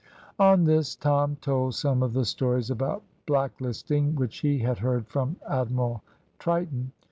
On this Tom told some of the stories about black listing which he had heard from Admiral Triton.